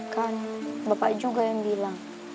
kan bapak juga yang bilang